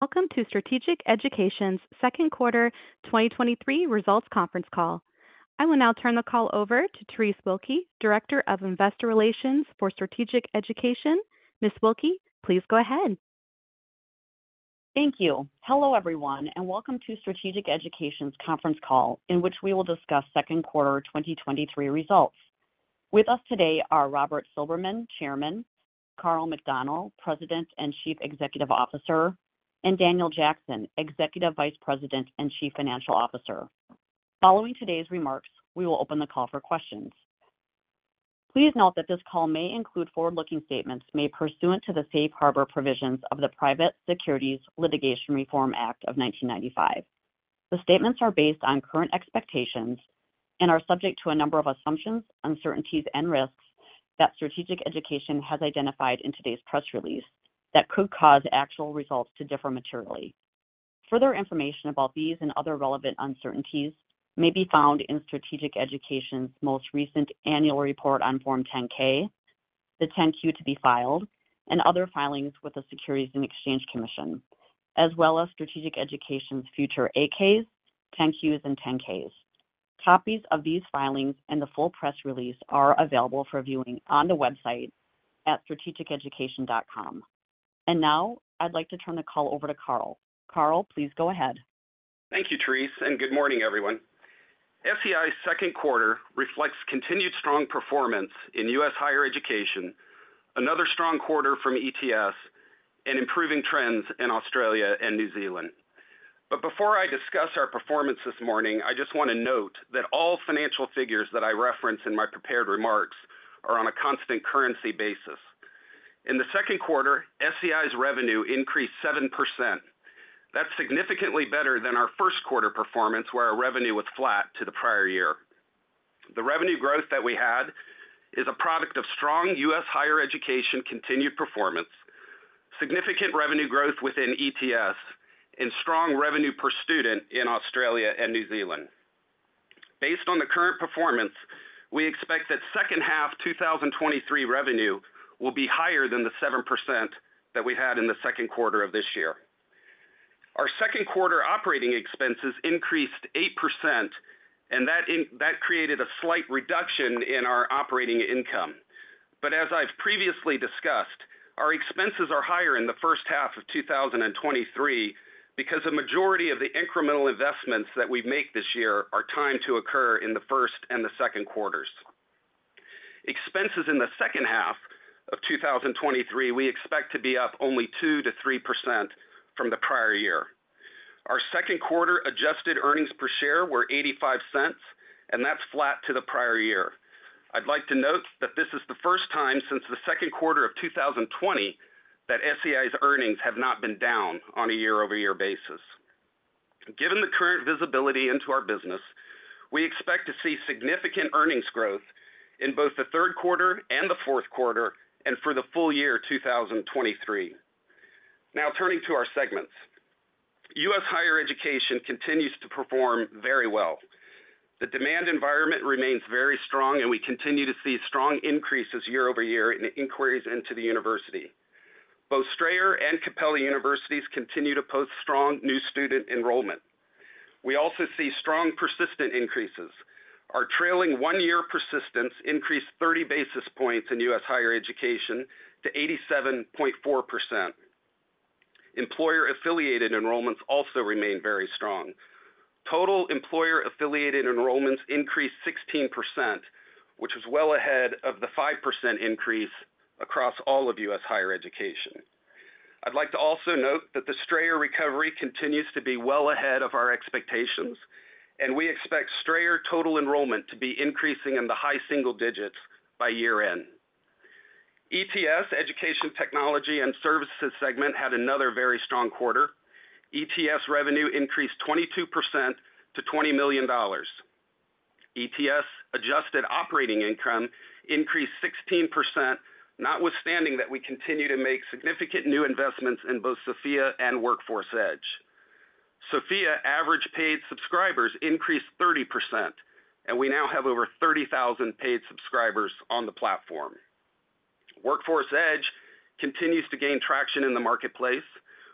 Welcome to Strategic Education's second quarter, 2023 results conference call. I will now turn the call over to Terese Wilke, Director of Investor Relations for Strategic Education. Ms. Wilke, please go ahead. Thank you. Hello, everyone, and welcome to Strategic Education's conference call, in which we will discuss second quarter 2023 results. With us today are Robert Silberman, Chairman, Karl McDonnell, President and Chief Executive Officer, and Daniel Jackson, Executive Vice President and Chief Financial Officer. Following today's remarks, we will open the call for questions. Please note that this call may include forward-looking statements made pursuant to the Safe Harbor Provisions of the Private Securities Litigation Reform Act of 1995. The statements are based on current expectations and are subject to a number of assumptions, uncertainties, and risks that Strategic Education has identified in today's press release that could cause actual results to differ materially. Further information about these and other relevant uncertainties may be found in Strategic Education's most recent annual report on Form 10-K, the 10-Q to be filed, and other filings with the Securities and Exchange Commission, as well as Strategic Education's future 8-Ks, 10-Qs, and 10-Ks. Copies of these filings and the full press release are available for viewing on the website at strategiceducation.com. Now I'd like to turn the call over to Karl. Karl, please go ahead. Thank you, Terese. Good morning, everyone. SEI's second quarter reflects continued strong performance in U.S. higher education, another strong quarter from ETS, and improving trends in Australia and New Zealand. Before I discuss our performance this morning, I just want to note that all financial figures that I reference in my prepared remarks are on a constant currency basis. In the second quarter, SEI's revenue increased 7%. That's significantly better than our first quarter performance, where our revenue was flat to the prior year. The revenue growth that we had is a product of strong U.S. higher education continued performance, significant revenue growth within ETS, and strong revenue per student in Australia and New Zealand. Based on the current performance, we expect that second half 2023 revenue will be higher than the 7% that we had in the second quarter of this year. Our second quarter operating expenses increased 8%, and that created a slight reduction in our operating income. As I've previously discussed, our expenses are higher in the first half of 2023 because a majority of the incremental investments that we make this year are timed to occur in the first and the second quarters. Expenses in the second half of 2023, we expect to be up only 2%-3% from the prior year. Our second quarter adjusted earnings per share were $0.85, and that's flat to the prior year. I'd like to note that this is the first time since the second quarter of 2020 that SEI's earnings have not been down on a year-over-year basis. Given the current visibility into our business, we expect to see significant earnings growth in both the third quarter and the fourth quarter, and for the full year, 2023. Turning to our segments. U.S. higher education continues to perform very well. The demand environment remains very strong, and we continue to see strong increases year-over-year in inquiries into the university. Both Strayer and Capella universities continue to post strong new student enrollment. We also see strong persistent increases. Our trailing one-year persistence increased 30 basis points in U.S. higher education to 87.4%. Employer-affiliated enrollments also remain very strong. Total employer-affiliated enrollments increased 16%, which is well ahead of the 5% increase across all of U.S. higher education. I'd like to also note that the Strayer recovery continues to be well ahead of our expectations. We expect Strayer total enrollment to be increasing in the high single digits by year-end. ETS, Education Technology and Services segment, had another very strong quarter. ETS revenue increased 22% to $20 million. ETS adjusted operating income increased 16%, notwithstanding that we continue to make significant new investments in both Sophia and Workforce Edge. Sophia average paid subscribers increased 30%. We now have over 30,000 paid subscribers on the platform. Workforce Edge continues to gain traction in the marketplace.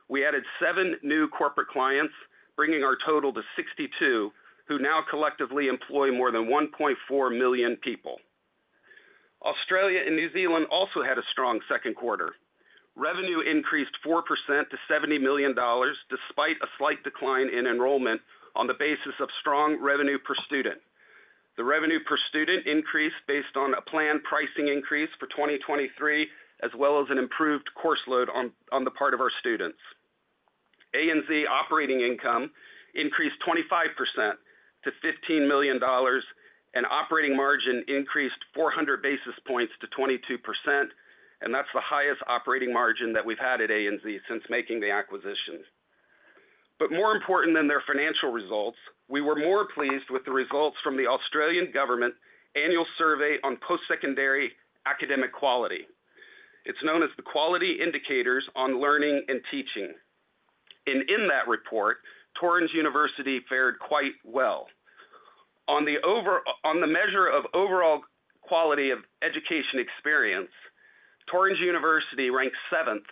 We added seven new corporate clients, bringing our total to 62, who now collectively employ more than 1.4 million people. Australia and New Zealand also had a strong second quarter. Revenue increased 4% to $70 million, despite a slight decline in enrollment on the basis of strong revenue per student. The revenue per student increased based on a planned pricing increase for 2023, as well as an improved course load on the part of our students. ANZ operating income increased 25% to $15 million. Operating margin increased 400 basis points to 22%. That's the highest operating margin that we've had at ANZ since making the acquisition. More important than their financial results, we were more pleased with the results from the Australian Government Annual Survey on Postsecondary Academic Quality. It's known as the Quality Indicators for Learning and Teaching. In that report, Torrens University fared quite well. On the over, on the measure of overall quality of education experience, Torrens University ranked 7th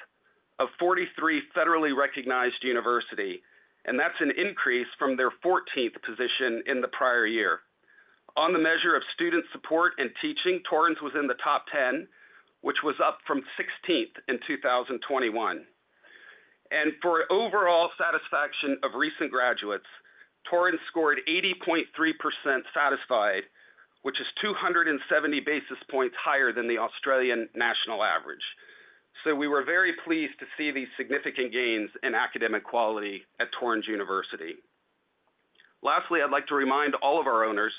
of 43 federally recognized university, that's an increase from their 14th position in the prior year. On the measure of student support and teaching, Torrens was in the top 10, which was up from 16th in 2021. For overall satisfaction of recent graduates, Torrens scored 80.3% satisfied, which is 270 basis points higher than the Australian national average. We were very pleased to see these significant gains in academic quality at Torrens University. Lastly, I'd like to remind all of our owners,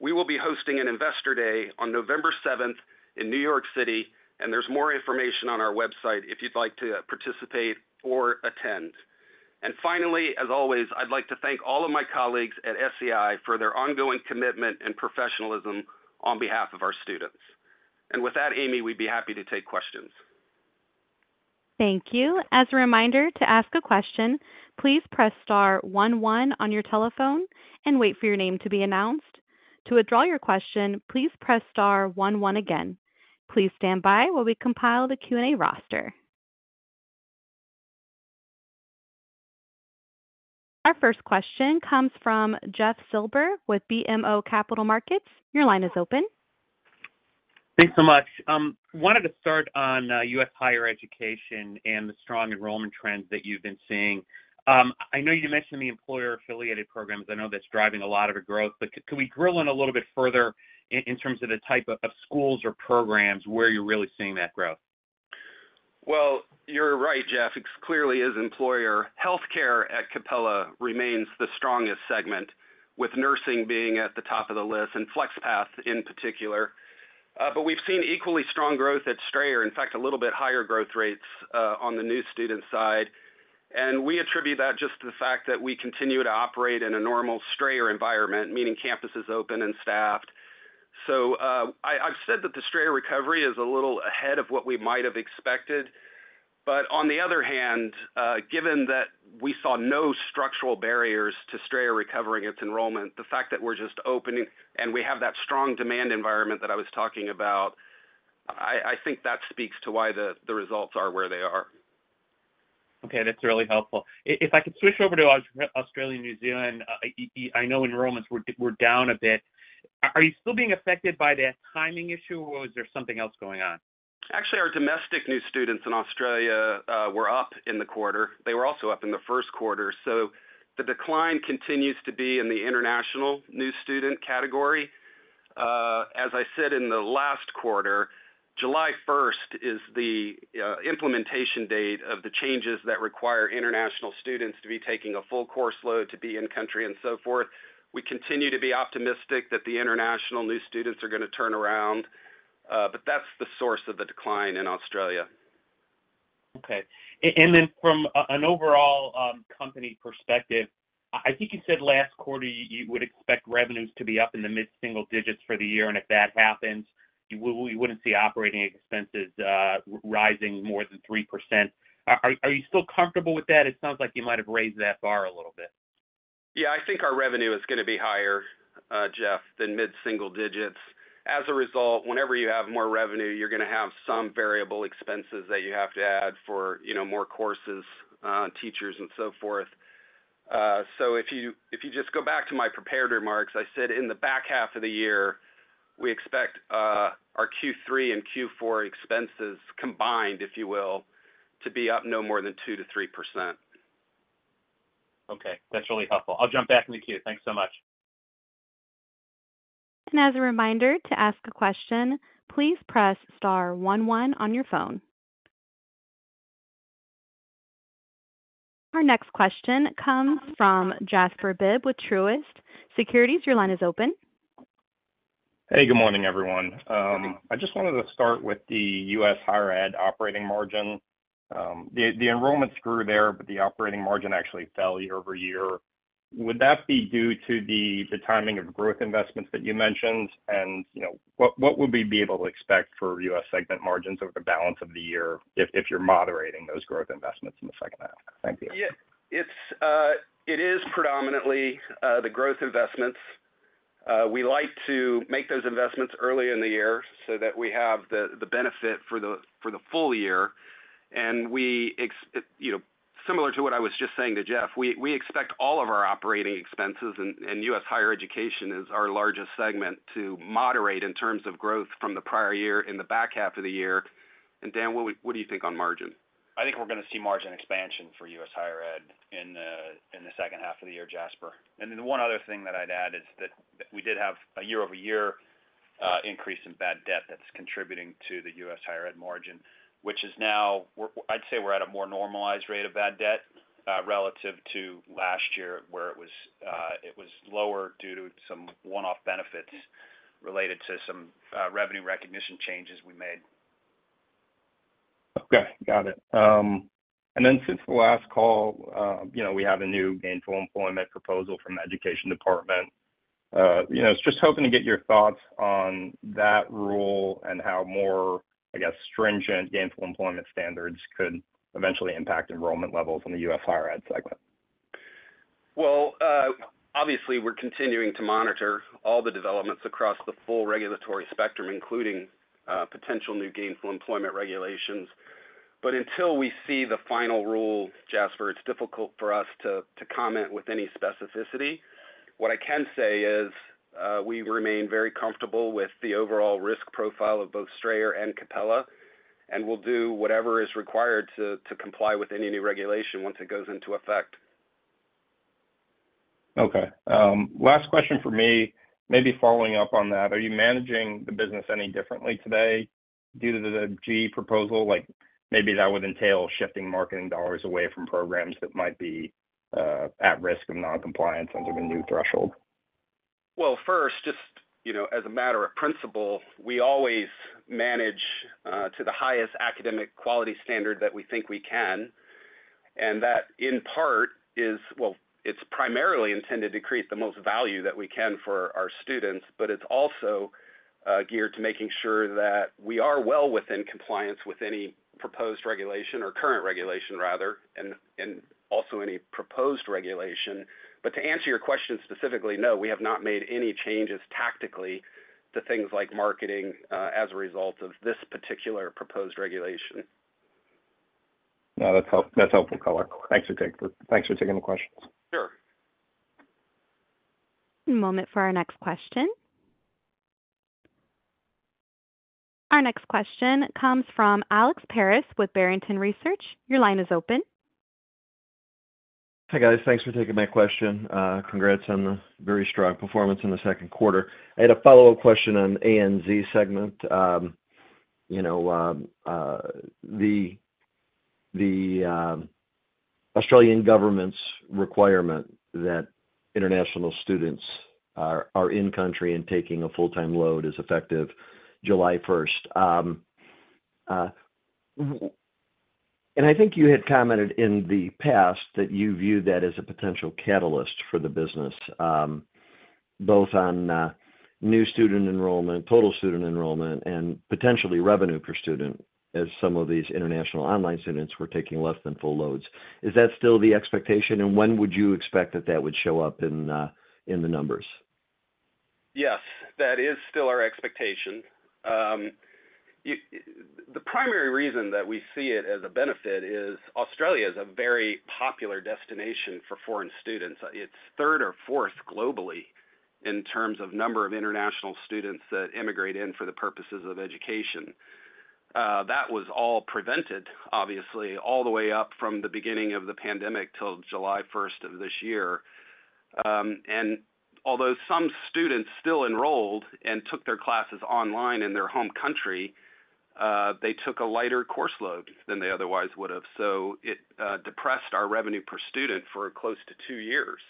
we will be hosting an Investor Day on November seventh in New York City. There's more information on our website if you'd like to participate or attend. Finally, as always, I'd like to thank all of my colleagues at SEI for their ongoing commitment and professionalism on behalf of our students. With that, Amy, we'd be happy to take questions. Thank you. As a reminder to ask a question, please press star one, one on your telephone and wait for your name to be announced. To withdraw your question, please press star one, one again. Please stand by while we compile the Q&A roster. Our first question comes from Jeffrey Silber with BMO Capital Markets. Your line is open. Thanks so much. Wanted to start on U.S. higher education and the strong enrollment trends that you've been seeing. I know you mentioned the employer-affiliated programs. I know that's driving a lot of the growth, but can we drill in a little bit further in terms of the type of schools or programs where you're really seeing that growth? You're right, Jeff. It clearly is employer. Healthcare at Capella remains the strongest segment, with nursing being at the top of the list and FlexPath in particular. We've seen equally strong growth at Strayer, in fact, a little bit higher growth rates on the new student side. We attribute that just to the fact that we continue to operate in a normal Strayer environment, meaning campus is open and staffed. I've said that the Strayer recovery is a little ahead of what we might have expected. On the other hand, given that we saw no structural barriers to Strayer recovering its enrollment, the fact that we're just opening and we have that strong demand environment that I was talking about, I think that speaks to why the results are where they are. Okay, that's really helpful. If I could switch over to Australian, New Zealand, I know enrollments were down a bit. Are you still being affected by that timing issue, or is there something else going on? Actually, our domestic new students in Australia were up in the quarter. They were also up in the first quarter, so the decline continues to be in the international new student category. As I said in the last quarter, July first is the implementation date of the changes that require international students to be taking a full course load to be in country and so forth. We continue to be optimistic that the international new students are gonna turn around, but that's the source of the decline in Australia. From an overall company perspective, I think you said last quarter, you would expect revenues to be up in the mid-single digits for the year, and if that happens, you wouldn't see operating expenses rising more than 3%. Are you still comfortable with that? It sounds like you might have raised that bar a little bit. I think our revenue is gonna be higher, Jeff, than mid-single digits. As a result, whenever you have more revenue, you're gonna have some variable expenses that you have to add for, you know, more courses, teachers and so forth. If you just go back to my prepared remarks, I said in the back half of the year, we expect our Q3 and Q4 expenses combined, if you will, to be up no more than 2%-3%. Okay, that's really helpful. I'll jump back in the queue. Thanks so much. As a reminder, to ask a question, please press star one one on your phone. Our next question comes from Jasper Bibb with Truist Securities. Your line is open. Hey, good morning, everyone. I just wanted to start with the U.S. Higher Ed operating margin. The enrollments grew there, but the operating margin actually fell year-over-year. Would that be due to the timing of growth investments that you mentioned? You know, what would we be able to expect for U.S. segment margins over the balance of the year if you're moderating those growth investments in the second half? Thank you. Yeah, it's, it is predominantly the growth investments. We like to make those investments early in the year so that we have the benefit for the full year. You know, similar to what I was just saying to Jeff, we expect all of our operating expenses, and U.S. higher education is our largest segment, to moderate in terms of growth from the prior year in the back half of the year. Dan, what do you think on margin? I think we're gonna see margin expansion for U.S. Higher Ed in the second half of the year, Jasper. The one other thing that I'd add is that we did have a year-over-year increase in bad debt that's contributing to the U.S. Higher Ed margin, which is now I'd say we're at a more normalized rate of bad debt relative to last year, where it was lower due to some one-off benefits related to some revenue recognition changes we made. Okay, got it. Since the last call, you know, we have a new Gainful Employment proposal from the Education Department. You know, just hoping to get your thoughts on that rule and how more, I guess, stringent Gainful Employment standards could eventually impact enrollment levels in the U.S. higher Ed segment.... obviously, we're continuing to monitor all the developments across the full regulatory spectrum, including potential new Gainful Employment regulations. Until we see the final rule, Jasper, it's difficult for us to, to comment with any specificity. What I can say is, we remain very comfortable with the overall risk profile of both Strayer and Capella, and we'll do whatever is required to, to comply with any new regulation once it goes into effect. Okay. last question for me, maybe following up on that, are you managing the business any differently today due to the GE proposal? Like, maybe that would entail shifting marketing dollars away from programs that might be at risk of non-compliance under the new threshold. Well, first, just, you know, as a matter of principle, we always manage to the highest academic quality standard that we think we can, and that, in part, well, it's primarily intended to create the most value that we can for our students, but it's also geared to making sure that we are well within compliance with any proposed regulation or current regulation rather, and also any proposed regulation. To answer your question specifically, no, we have not made any changes tactically to things like marketing as a result of this particular proposed regulation. No, that's helpful color. Thanks for taking the question. Sure. A moment for our next question. Our next question comes from Alex Paris with Barrington Research. Your line is open. Hi, guys. Thanks for taking my question. Congrats on the very strong performance in the second quarter. I had a follow-up question on ANZ segment. you know, the Australian government's requirement that international students are in country and taking a full-time load is effective July first. I think you had commented in the past that you viewed that as a potential catalyst for the business, both on new student enrollment, total student enrollment, and potentially revenue per student, as some of these international online students were taking less than full loads. Is that still the expectation, and when would you expect that that would show up in the numbers? Yes, that is still our expectation. The primary reason that we see it as a benefit is Australia is a very popular destination for foreign students. It's third or fourth globally in terms of number of international students that immigrate in for the purposes of education. That was all prevented, obviously, all the way up from the beginning of the pandemic till July first of this year. Although some students still enrolled and took their classes online in their home country, they took a lighter course load than they otherwise would have. It depressed our revenue per student for close to two years.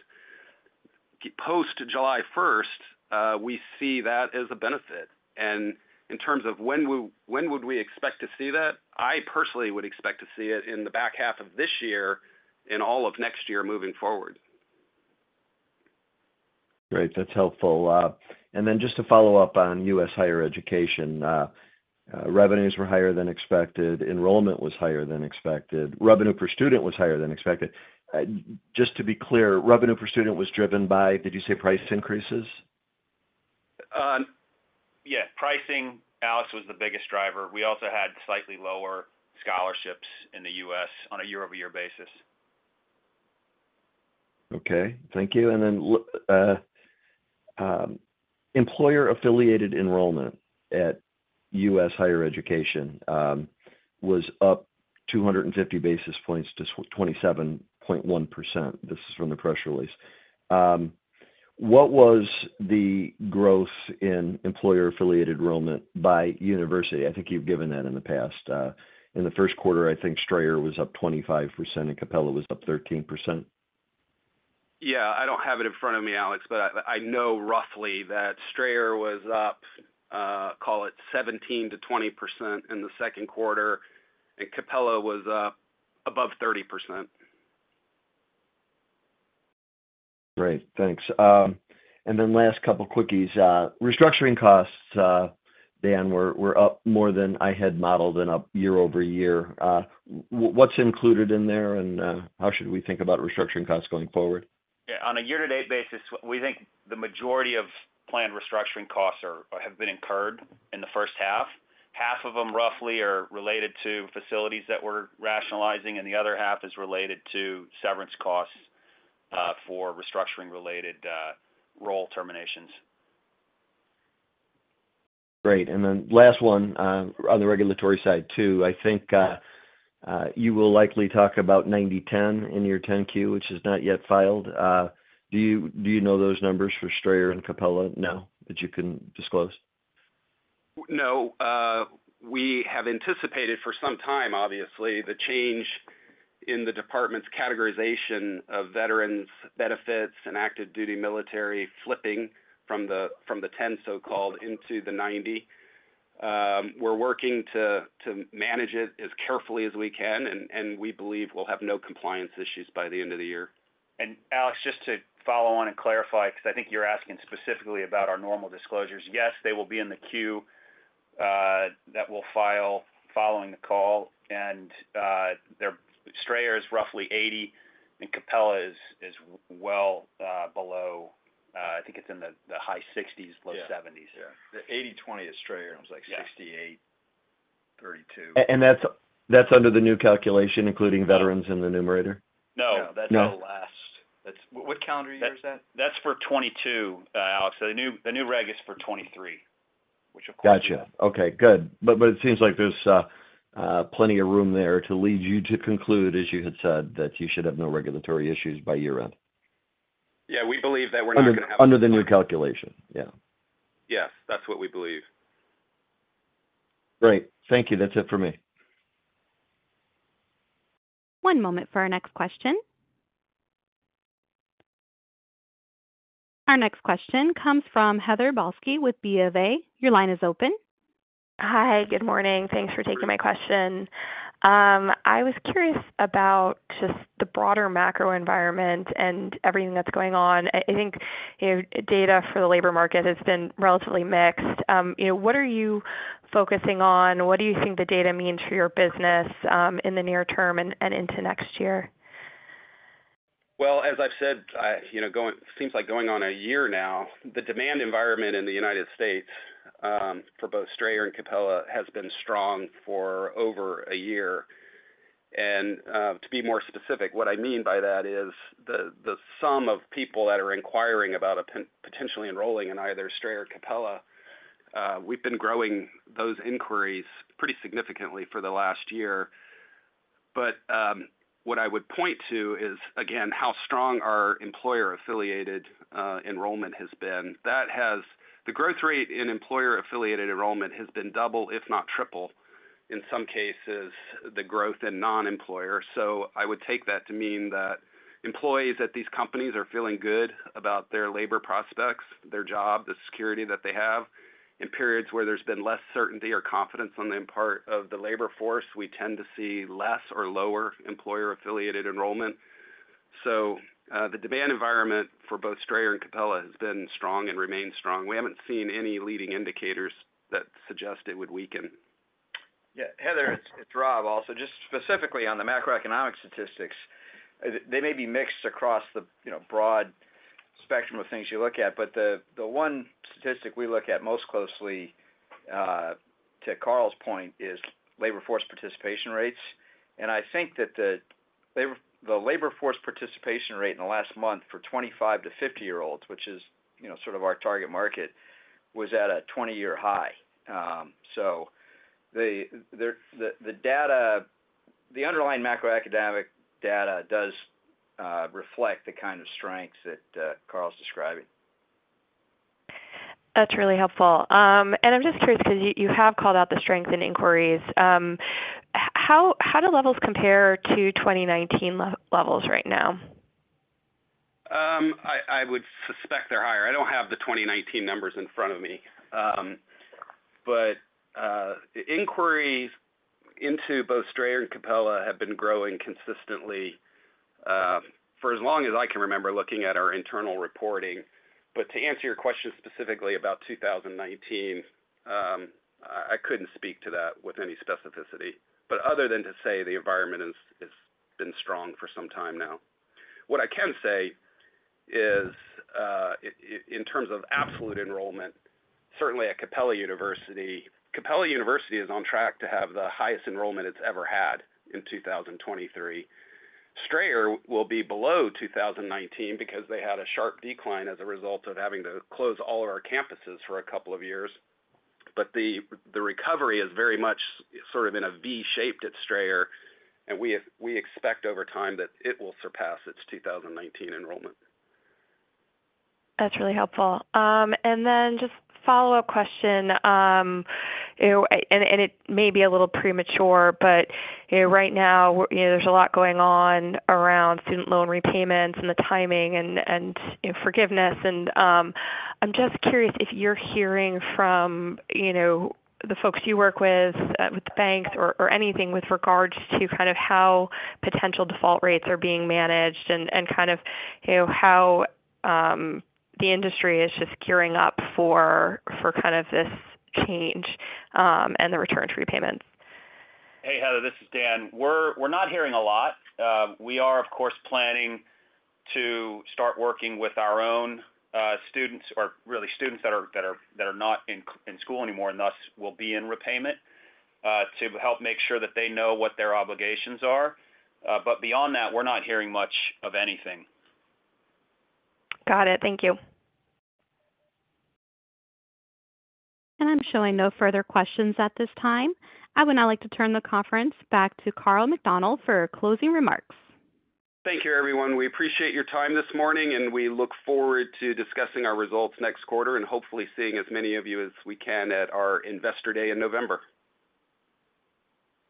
Post July first, we see that as a benefit. In terms of when when would we expect to see that, I personally would expect to see it in the back half of this year and all of next year moving forward. Great, that's helpful. Just to follow up on U.S. higher education, revenues were higher than expected, enrollment was higher than expected, revenue per student was higher than expected. Just to be clear, revenue per student was driven by, did you say price increases? Pricing, Alex, was the biggest driver. We also had slightly lower scholarships in the U.S. on a year-over-year basis. Okay, thank you. Employer-affiliated enrollment at U.S. higher education was up 250 basis points to 27.1%. This is from the press release. What was the growth in employer-affiliated enrollment by university? I think you've given that in the past. In the first quarter, I think Strayer was up 25%, and Capella was up 13%. Yeah, I don't have it in front of me, Alex, but I, I know roughly that Strayer was up, call it 17%-20% in the second quarter, and Capella was up above 30%. Great, thanks. Then last couple quickies. Restructuring costs, Dan, were up more than I had modeled and up year-over-year. What's included in there, and how should we think about restructuring costs going forward? Yeah, on a year-to-date basis, we think the majority of planned restructuring costs have been incurred in the first half. Half of them, roughly, are related to facilities that we're rationalizing, and the other half is related to severance costs, for restructuring related, role terminations. Great. Last one, on the regulatory side, too. I think, you will likely talk about 90/10 in your 10-Q, which is not yet filed. Do you know those numbers for Strayer and Capella now, that you can disclose? No, we have anticipated for some time, obviously, the change in the Department's categorization of veterans benefits and active duty military flipping from the 10 so-called into the 90. We're working to manage it as carefully as we can, and we believe we'll have no compliance issues by the end of the year. Alex, just to follow on and clarify, because I think you're asking specifically about our normal disclosures. Yes, they will be in the 10-Q that will file following the call, and their Strayer is roughly 80, and Capella is well below, I think it's in the high 60s, low 70s. Yeah. Yeah, the 80/20 at Strayer was like 68, 32. That's under the new calculation, including veterans in the numerator? No. No, that's the last. What calendar year is that? That's for 2022, Alex. The new, the new reg is for 2023, which of course- Gotcha. Okay, good. It seems like there's plenty of room there to lead you to conclude, as you had said, that you should have no regulatory issues by year-end. Yeah, we believe that we're not gonna. Under the new calculation. Yeah. Yes, that's what we believe. Great. Thank you. That's it for me. One moment for our next question. Our next question comes from Heather Balsky with BofA. Your line is open. Hi, good morning. Thanks for taking my question. I was curious about just the broader macro environment and everything that's going on. I, I think, you know, data for the labor market has been relatively mixed. You know, what are you focusing on? What do you think the data mean for your business, in the near term and into next year? Well, as I've said, you know, seems like going on a year now, the demand environment in the United States for both Strayer and Capella has been strong for over a year. To be more specific, what I mean by that is the sum of people that are inquiring about potentially enrolling in either Strayer or Capella, we've been growing those inquiries pretty significantly for the last year. What I would point to is, again, how strong our employer-affiliated enrollment has been. The growth rate in employer-affiliated enrollment has been double, if not triple, in some cases, the growth in non-employer. I would take that to mean that employees at these companies are feeling good about their labor prospects, their job, the security that they have. In periods where there's been less certainty or confidence on the part of the labor force, we tend to see less or lower employer-affiliated enrollment. The demand environment for both Strayer and Capella has been strong and remains strong. We haven't seen any leading indicators that suggest it would weaken. Yeah, Heather, it's Rob also. Just specifically on the macroeconomic statistics, they may be mixed across the, you know, broad spectrum of things you look at, but the one statistic we look at most closely to Karl's point, is labor force participation rates. I think that the labor force participation rate in the last month for 25-50-year-olds, which is, you know, sort of our target market, was at a 20-year high. The data, the underlying macro academic data does reflect the kind of strengths that Karl's describing. That's really helpful. I'm just curious, because you have called out the strength in inquiries. How do levels compare to 2019 levels right now? I would suspect they're higher. I don't have the 2019 numbers in front of me. Inquiries into both Strayer and Capella have been growing consistently for as long as I can remember, looking at our internal reporting. To answer your question specifically about 2019, I couldn't speak to that with any specificity, but other than to say the environment has been strong for some time now. What I can say is in terms of absolute enrollment, certainly at Capella University, Capella University is on track to have the highest enrollment it's ever had in 2023. Strayer will be below 2019 because they had a sharp decline as a result of having to close all of our campuses for a couple of years. The recovery is very much sort of in a V shape at Strayer, we expect over time that it will surpass its 2019 enrollment. That's really helpful. Just follow-up question, you know, and, and it may be a little premature, but, you know, right now, you know, there's a lot going on around student loan repayments and the timing and, and, you know, forgiveness. I'm just curious if you're hearing from, you know, the folks you work with, with the banks or, or anything with regards to kind of how potential default rates are being managed and, and kind of, you know, how the industry is just gearing up for, for kind of this change, and the return to repayments. Hey, Heather, this is Dan. We're not hearing a lot. We are, of course, planning to start working with our own students or really students that are not in school anymore, and thus will be in repayment, to help make sure that they know what their obligations are. Beyond that, we're not hearing much of anything. Got it. Thank you. I'm showing no further questions at this time. I would now like to turn the conference back to Karl McDonnell for closing remarks. Thank you, everyone. We appreciate your time this morning, and we look forward to discussing our results next quarter and hopefully seeing as many of you as we can at our Investor Day in November.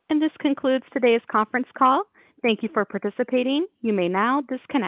This concludes today's conference call. Thank you for participating. You may now disconnect.